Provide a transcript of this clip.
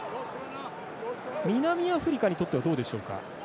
南アフリカにとってはどうでしょうか。